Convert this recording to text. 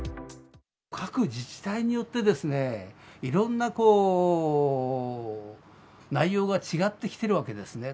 各自治体によってですね、いろんな内容が違ってきてるわけですね。